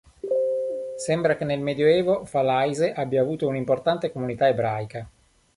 Sembra che nel Medioevo Falaise abbia avuto un'importante comunità ebraica.